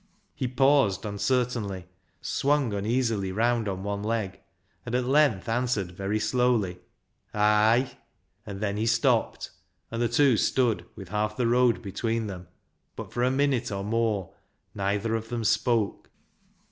He paused uncertainly, swung uneasily round on one leg, and at length answered very slowly —" Ay." And then he stopped, and the two stood with half the road between them, but for a minute or more neither of them spoke.